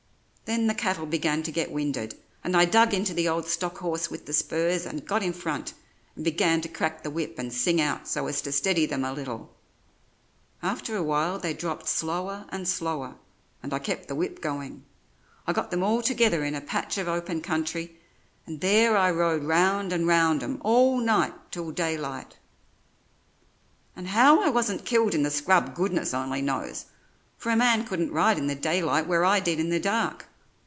Then the cattle began to get winded, and I dug into the old stock horse with the spurs, and got in front, and began to crack the whip and sing out, so as to steady them a little; after awhile they dropped slower and slower, and I kept the whip going. I got them all together in a patch of open country, and there I rode round and round 'em all night till daylight. "And how I wasn't killed in the scrub, goodness only knows; for a man couldn't ride in the daylight where I did in the dark.